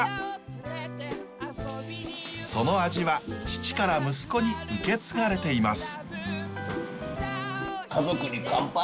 その味は父から息子に受け継がれています。